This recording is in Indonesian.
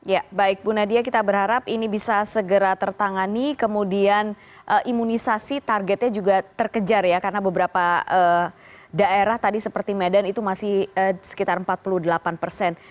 ya baik bu nadia kita berharap ini bisa segera tertangani kemudian imunisasi targetnya juga terkejar ya karena beberapa daerah tadi seperti medan itu masih sekitar empat puluh delapan persen